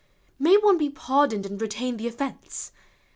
May one be pardoned and retain the offence?